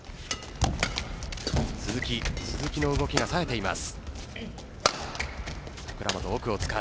鈴木の動きが冴えています。